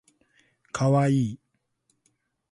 かわいい